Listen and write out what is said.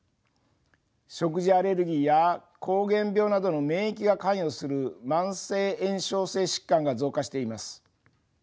食事アレルギーや膠原病などの免疫が関与する慢性炎症性疾患が増加しています。